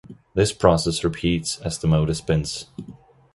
This process repeats as the motor spins.